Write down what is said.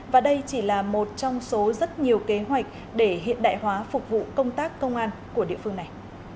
và đây chỉ là một trong số rất nhiều kế hoạch để hiện đại hóa phục vụ công tác công an của địa phương này